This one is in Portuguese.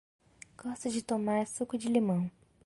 Gosto de tomar suco de limão.